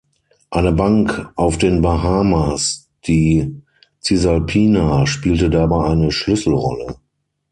Eine Bank auf den Bahamas, die Cisalpina, spielte dabei eine Schlüsselrolle.